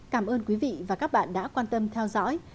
cảm ơn quý vị và các bạn đã quan tâm theo dõi